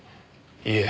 いえ。